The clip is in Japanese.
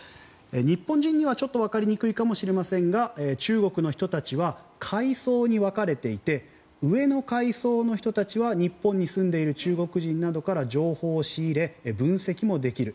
日本人には、ちょっとわかりにくいかもしれませんが中国の人たちは階層に分かれていて上の階層の人たちは日本に住んでいる中国人などから情報を仕入れ、分析もできる。